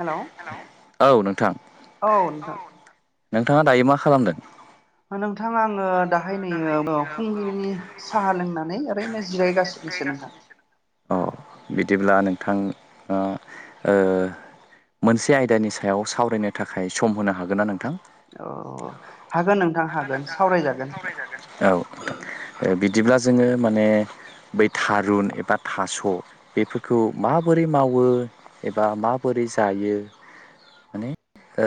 हेल' औ नोंथां। औ नोंथां नोंथाङा दायो मा खालामदों? नोंथा आङो दाहाय नैयो फुंबिलिनि साहा लोंनानै ओरैनो जिरायगासिनो एसे नोंथां। अ बिदिब्ला नोंथां मोनसे आयदानि सायाव सावरायनो थाखाय सम होनो हागोन ना नोंथां। औ हागोन नोंथां हागोन नोंथां हागोन सावरायजागोन सावरायजागोन औ। बिदिब्ला जोङो माने बै थारुन एबा थास' बेफोरखौ माबोरै मावो एबा माबोरै जायो माने ओ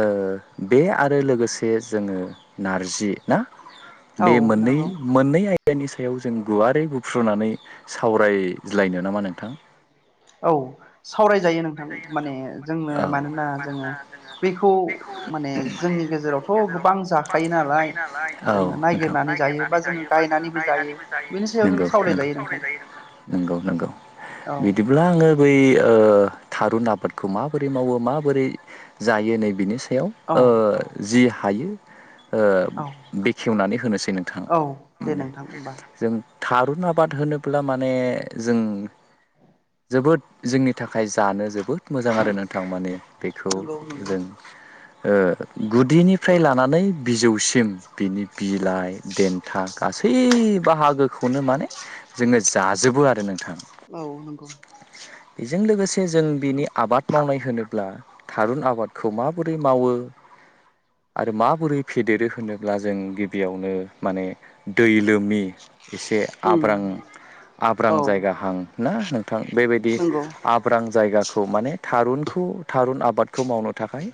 बे आरो लोगोसे जोङो नारजि ना औ बे मोननै नंगौ मोननै आयदानि सायाव जों गुवारै फुफ्रुनानै सावराय्लायनो नामा नोंथां। औ सावरायजायो नोंथां माने जोंनो मानोना जोङो बेखौ माने जोंनि गेजेरावथ' गोबां जाखायोना जायो नालाय औ नोंथिरनानै जोङो जायो बा जो जायो गायनानैबो बेनि सायाव जों जायो। सावरायजायो नोंथां नंगौ नंगौ औ बिदिब्ला आङो। बै ओ थारुन आबादखौ माबोरै मावो माबोरै जायो नै बिनि स हायाव औ ओ जि हायो ओ औ बेखेवनानै होनोसै नोंथाङा औ दे माने नोंथां होमबा जों थारुन आबाद होनोब्ला माने जों जोबोद जोंनि थाखाय खाय जानो जोबोद मोजां आरो नोंथां माने बेखौ नंगौ नंगौ जों ओ गुदिनिफ्राय लानानै बिजौसिम बिनि बिलाइ देथा गासैबो सै बाहागोखौनो माने जोङो जाजोबो आरो नों औ नंगौ। बेजों लोगोसे जों बिनि आबाद खौ माबोरै मावो आरो माबोरै फेदेरो होनोब्ला जों गिबियावनो माने दै लोमि एसे उम आब्रां आब्रां औ जायगाहां ना नोंथां बेबायदि नंगौ आब्रां जायगा खौ माने थारुनखौ थारुन आबादखौ मावनो थाखाय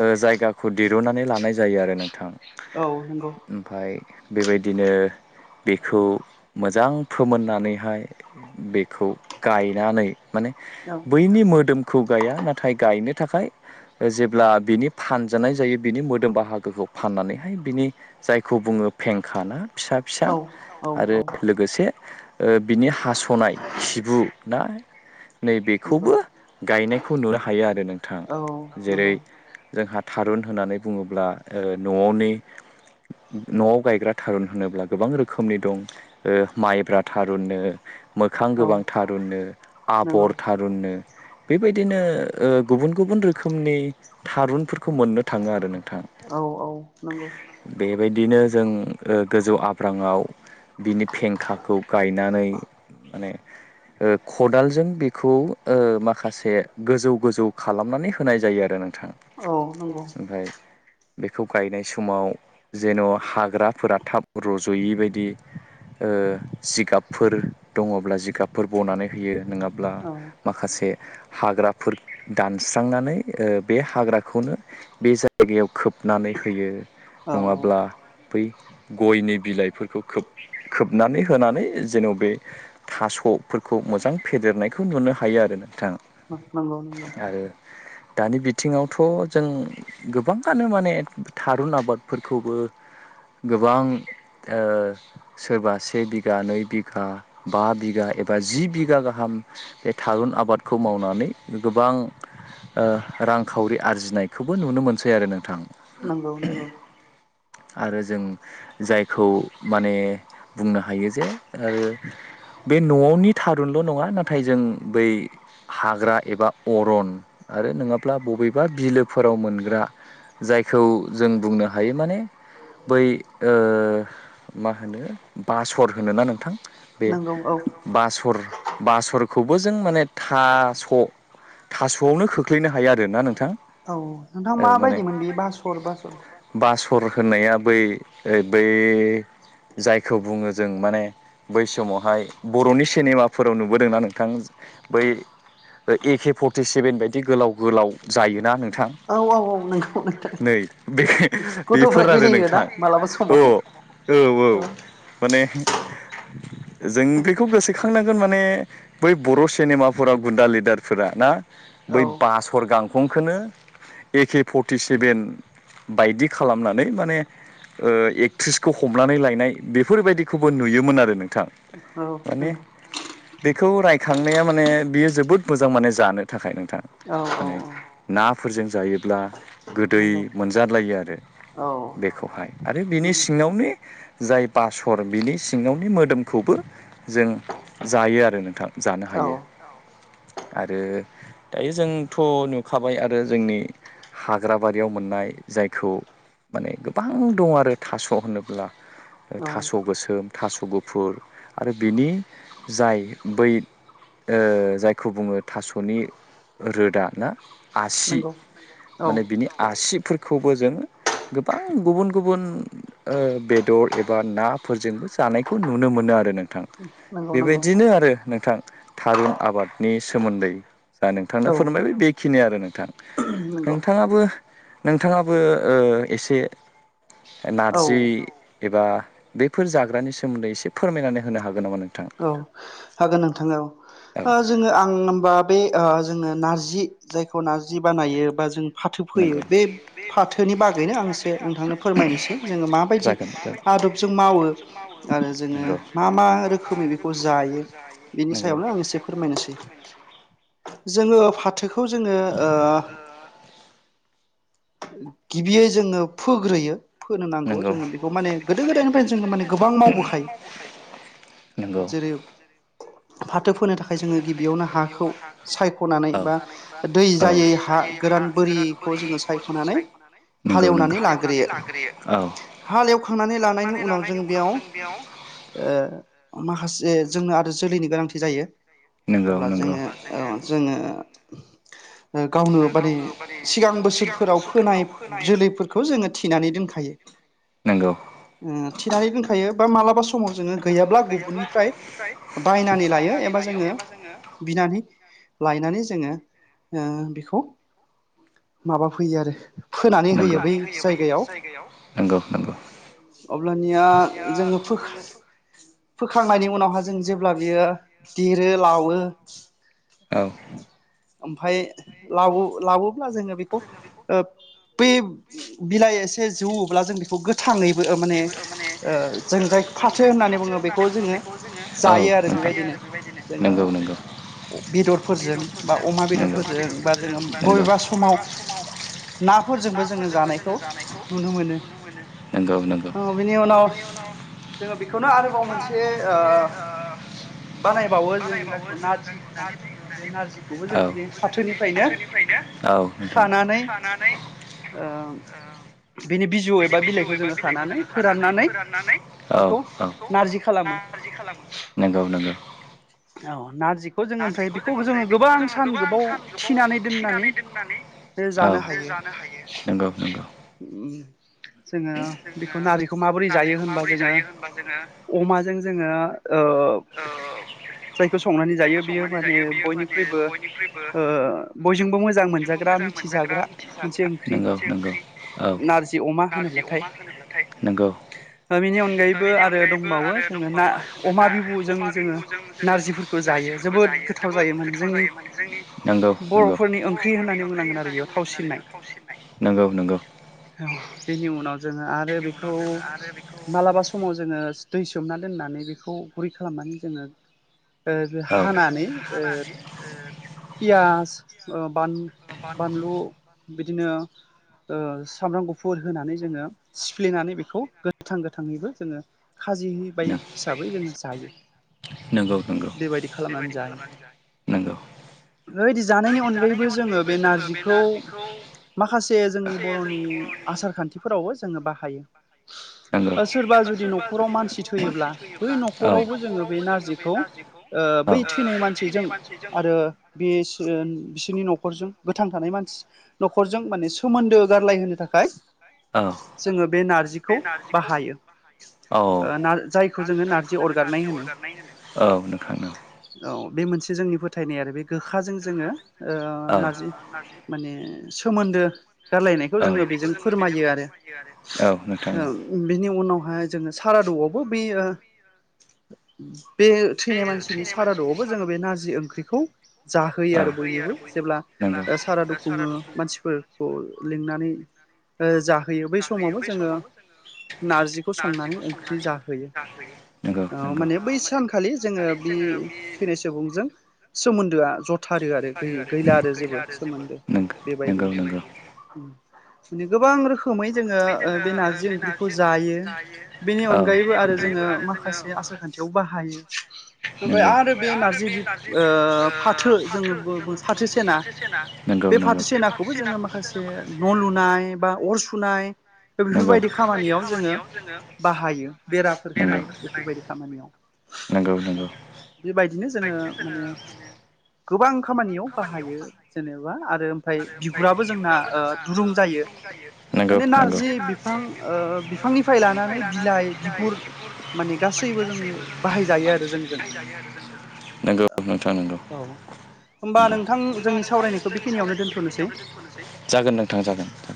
ओ जायगा खौ दिरुननानै लानाय जायो आरो नोंथां। औ नंगौ ओमफफ्राय बेबायदिनो बेखौ मोजां फोमोननानैहाय बेखौ गायनानै माने औ बैनि मोदोम दोमखौ गाया नाथाय गायनो थाखाय जेब्ला बिनि फानजानाय जायो बिनि मोदोम बाहागोखौ फाननानैहाय बिनि जायखौ बुङो फेंखाना फिसा फिसा औ औ आरो औ लोगोसे बिनि हास'नाय खिबु ना नंगौ नैबेखौबो गायनायखौ नुनो हायो आरो नोंथां औ जेरै नंगौ जोंहा थारुन होननानै बुङोब्ला न'आवनि न'आव गायग्रा थारुन होनोब्ला गोबां रोखोमनि दं माइब्रा थारुननो मोखां औ गोबां थारुननो नंगौ आबर थारुननो बेबायदिनो गुबुन गुबुन रोखोमनि थारुनफोरखौ मोननो थांङो आरो नोंथां औ औ नंगौ बेबायदिनो जों गोजौ आब्रांङाव बिनि फेंखाखौ गायनानै माने खदालजों बेखौ माखासे गोजौ गोजौ खालामनानै होनाय जायो आरो नोंथां औ नंगौ ओमफ्राय बेखौ गायनाय समाव जेन' हाग्राफोरा थाब रज'यै बायदि जिगाबफोर दङब्ला जिगाबफोर बनानै होयो नंङाब्ला औ माखासे हाग्राफोर दानस्रांनानै बे हाग्राखौनो बे जायगायाव खोब नानै होयो औ औ नङाब्ला बै गयनि बिलाइफोरखौ खोब खोबनानै होनानै जेन' बे थास' फोरखौ मोजां फेदेरनायखौ नुनो हायो आरो नोंथां नंगौ नंगौ आरो दानि बिथिङावथ' जों गोबांङानो माने थारुन आबादफोरखौबो गोबां सोरबा से बिगा नै बिघा बा बिगा एबा जि बिघा गाहाम थारुन आबादखौ खौ मावनानै गोबां रांखावरि आरजिनायखौबो नुनो मोनसै आरो नोंथां नंगौ नंगौ आरो जों जायखौ माने बुंनो हायो जे आरो बे न'नि थारुनल' नङा नाथाय जों बै हाग्रा एबा अरन आरो नङाब्ला बबेबा बिलोफोराव मोनग्रा जायखौ जों बुंनो हायो माने बै मा होनो बासर होनोना नोंथां बे नंगौ औ बासर बासरखौबो जों माने थास' थास'आवनो खोख्लैनो हायो आरोना नोंथां औ नोंथां औ माने माबायदिमोन बे बासर बासर सर होननाया बै बै जायखौ बुङो जों माने बै समावहाय बर'नि सिनेमाफोराव नुबोदोंना नोंथां बै एके फर्टिसेभेन बायदि गोलाव गोलाव जायोना नोंथां नोंथां औ औ नै गथ'फ्रा बेफोर आरो गेलेयो ना नोंथां मालाबा औ समाव औ औ माने जों बेखौ गोसोखांनांगोन माने बै बर' सिनेमाफोराव गुन्दा लिडारफोरा ना औ बै बासर गांखंखौनो एके फर्टि सेभेन बायदि खालामनानै माने एक्ट्रिसखौ हमनानै लायनाय बेफोरबायदिखौबो नुयोमोन आरो नों थां औ माने नंगौ बेखौ बेयो जोबोद मोजां माने जानो थाखाय नोंथां औ औ औ फोरजों जायो ब्ला गोदै नंगौ मोनजालायो आरो औ बेखौहाय आरो बिनि नंगौ सिङावनो जाय बासर बिनि सिङावनि मोदोमखौबो जों जायो आरो नोंथां जानो औ हायो आरो दायो जोंथ' नुखाबाय आरो जोंनि हाग्राबारियाव मोननाय जायखौ माने गोबां दं आरो थास' होनोब्ला थास' गोसोम थास' गुफुर आरो बिनि जाय बै ओ जायखौ बुङो थास'नि रोदा ना आसि नंगौ औ माने बिनि आसिफोरखौबो जों गोबां गुबुन गुबुन बेदर एबा नाफोरजोंबो जानायखौ नुनो मोनो आरो नों नथां नंगौ नंगौ बेबायदिनो आरो नोंथां थारुन आबादनि सोमोन्दै जा नोंथांनो औ फोरोंबाय बेखिनि आरो नोंथां। नंगौ नोंथाङाबो नोंथाङाबो ओ एसे औ नारजि एबा बेफोर जाग्रानि सोमोन्दै एसे फोरमायनानै होनो हागोन नामा नों औ हागोन नोंथां औ जोङो आं होमबा बे ओ जोङो नारजि जायखौ नारजि बानायो बा जों फाथो फैयो बे फाथोनि बागैनो आं एसे नोंथांनो फोरमायनोसै जोङो माबायदि आदबजों मावो आरो जोंङो मा मा रो खोमै बेखौ जायो बेनि सायावनो आं एसे फोरमायनोसै जोङो फाथोखौ जोङो ओ गिबियै जोङो फोग्रोयो फोनो नांगौ नंगौ जोङो बेखौ माने गोदो गोदायनिफ्रायनो जोङो माने गोबां मावबोखायो सायख'नानै जेरै फा थो फोनो थाखाय जोङो गिबियावनो हाखौ सायख'नानै बा दै जायै हा गोराना बो रैखौ जोङो सायख'नानै सायख'नानै हालेवनानै लाग्रोयो। अब्ला हालेवखांनानै लानायनि उनाव जों बेयाव ओ माखासे जोंनो आरो जोलैनि गोनांथि जायो। अब्ला जोङो जोङो गावनो माने सिगां बोसोरफोराव फोनाय जोलैफोरखौ जोङो थिनानै दोनखायो। नों थिनानै दोनखायो बा मालाबा समाव जोङो गैयाब्ला गु बुननिफ्राय बायनानै लायो एबा बिनानै लायनानै जोङो जोङो बेखौ माबा फैयो आरो नगौ फोनानै होयो बै जायगायाव नंगौ नंगौ। अब्लानिया जोङो फो खांनायनि उनावहा जों जेब्ला बियो देरो लावो औ ओमफ्राय लावो लाबवोब्ला जोङो बेखौ बै बिलाइ एसे जौवब्ला जों बेखौ गो थाङैबो माने जों गाय फाथो होननानै बुङो बे बखौ जोङो औ जायो आरो नोंथां बेबायदिनो जोङो नंगौ नंगौ बेदरफोरजों बा अमा बेदरफोरजों बा जोङो बबेबा समाव नाफोरजोंबो जोङो जानायखौ नुनो मोनो। नंगौ नंगौ औ बिनि उनाव जोङो बेखौनो आरोबाव मोनसे से ओ बानायबावो जों जायखौ नारजि होननानै बुङो बे नारजिखौबो औ जोङो बे फाथोनिफ्रायनो औ नोंथां खानानै खानानै ओ बेनि बिजौ एबा बिलाइखौ जोङो खानानै फोराननानै बेखौ नारजि खालामो नारजि खालामो नंगौ नंगौ। औ नारजिखौ जोङो ओमफ्राय नारजिखौ बेखौ जोङो ओमफ्राय बेखौ गोबां जोङो सान गोबां गोबाव सान गोबाव थिनानै दोननानै थिनानै दोननानै जानो औ हायो जानो हायो नंगौ नंगौ। जोङो बेखौ नारजिखौ माबोरै जायो होनबा जोङो अमाजों जोङो ओ जायखौ संनानै जायो। बियो माने बयनिख्रुइबो ओ बयजोंबो मोजां मोनजाग्रा जाग्रा मोनसे ओंख्रि नंगौ नंगौ औ नारजि अमा। होनोब्लाथाय नंगौ बिनि अनगायैबो आरो दंबावो जोङो ना अमा जोङो नारजिफोरखौ जायो जोबोद गोथाव जायो माने जोंनि नंगौ नंगौ बर'फोरनि ओंख्रि होननानै बुंनांगोन आरो बेयाव थावसिननाय नंगौ नंगौ औ। बेनि उनाव जोङो आरो बेखौ मालाबा समाव जोङो दै सोमना दोननानै बेखौ गुरै खालामनानै जोङो औ हानानै पियास बानलु बिदिनो सामब्राम गुफुर होनानै जोङो सिफ्लेनानै बेखौ गोथां गोथाङैबो जोङो खाजि ब हिसाबै जोङो जायो। नंगौ नंगौ बेबायदि खालामनानै नंगौ जायो बेबायदि जानायनि अनगायैबो जोङो बे नारजिखौ माखासे जोंनि बर'नि आसार खान्थिफोरावबो जोङो बाहायो। [inaudible] सोरबा जुदि न'खराव मानसि थैयोब्ला बै न'खरावबो जोङो बे नारजिखौ ओ बै थैनाय मानसिजों आरो बि बिसोरनि न'खर नखरजों गोथां थानाय मानसि न'खरजों माने सोमोन्दो गारलाय होनोनो थाखाय औ जोङो बे नारजिखौ बाहायो। औ ओ ना जायखौ जोङो जायखौ नारजि जों अरगारनाय नारजि होनो अरगारनाय होनो औ नोंथां नंगौ। औ। बे मोनसे जोंनि फोथायनाय आरो बे गोखाजों जोङो औ नारजि माने सोमोन्दो गारलायनायखौ औ जोङो बेजों फोरमायो आरो औ नोंथां बेनि उनावहाय जोङो। साराद'आवबो बे बे थैनाय मानसिनि सारादुआवबो जोङो बे नारजि ओंख्रिखौ जाहोयो औ आरो बयनोबो जेब्ला नंगौ सारादु खुङो मानसिफोरखौ लिंनानै जा होयो बै समावबो जोङो नारजिखौ संनानै ओंख्रि जाहोयो नंगौ माने बै सानखालि जोङो बे थैनाय सुबुंजों सोमोन्दोआ जथारो आरो गैला आरो जेबो सोमोन्दो नंगौ बेबायदि। नंगौ नंगौ नंगौ माने गोबां रोखोम रोखोमै जोङो बे नारजि ओंख्रिखौ जायो बेनि औ अनगायैबो आरो जोङो नोंथां माखासे आसार खान्थियाव बाहायो। ओमफ्राय बाहायो आरो बे नारजि बि फाथो जोङो फाथो सेना। नंगौ बे नंगौ फाथो नंगौ सेनाखौबो जोङो माखासे न' लुनाय बा अर सुनाय द बेफोर नंगौ बायदि खामानियाव जोङो बाहायो बेराफोर होनाय बेफोर बायदि खामानियाव। नंगौ नंगौ बेबायदिनो जोङो माने। गोबां खामानियाव बाहायो जेनेबा आरो ओमफ्राय बिगुराबो जोंना ओ दुरुं जायो जि नंगौ माने नारजि बिफां ओ बिफांनिफ्राय लानानै बिलाइ बिगुर माने गासैबो जोंनो बाहायजायो आरो जोंजों नोंथां। नंगौ। औ होमबा नोंथां जोंनि सावरायनायखौ बेखिनि सावरायनायखौ बेखिनियावनो दोनथ'नोसै जागोन नोंथां जागोन औ।